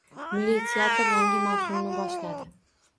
Milliy teatr yangi mavsumni boshladi